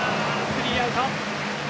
スリーアウト。